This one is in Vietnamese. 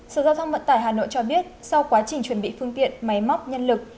sở giao thông vận tải hà nội cho biết sau quá trình chuẩn bị phương tiện máy móc nhân lực